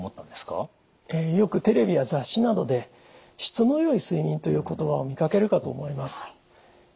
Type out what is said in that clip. よくテレビや雑誌などで質の良い睡眠という言葉を見かけるかと思います。